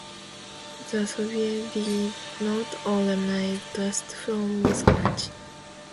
The Soviets did not organize Trust from scratch.